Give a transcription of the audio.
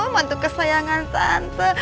mantu kesayangan tante